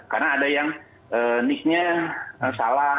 karena ada yang nicnya salah